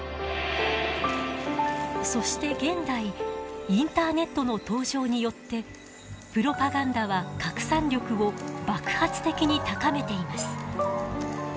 そして現代インターネットの登場によってプロパガンダは拡散力を爆発的に高めています。